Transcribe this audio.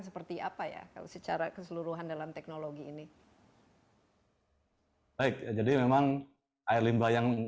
seperti apa ya kalau secara keseluruhan dalam teknologi ini baik ya jadi memang air limbah yang